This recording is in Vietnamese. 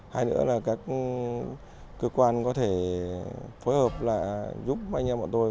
hay nữa là các cơ quan có thể phối hợp là giúp anh em bọn tôi